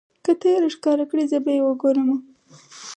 که تۀ یې راښکاره کړې زه به یې وګورمه.